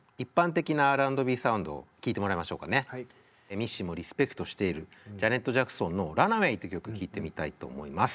ミッシーもリスペクトしているジャネット・ジャクソンの「Ｒｕｎａｗａｙ」って曲聴いてみたいと思います。